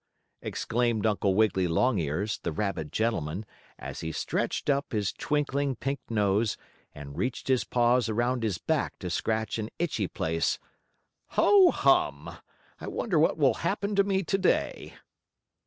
exclaimed Uncle Wiggily Longears, the rabbit gentleman, as he stretched up his twinkling, pink nose, and reached his paws around his back to scratch an itchy place. "Ho, hum! I wonder what will happen to me to day?"